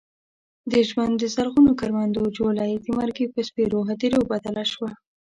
د ژوند د زرغونو کروندو جوله یې د مرګي په سپېرو هديرو بدله شوه.